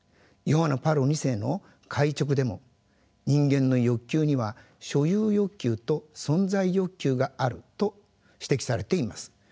ヨハネ・パウロ２世の回勅でも人間の欲求には所有欲求と存在欲求があると指摘されています。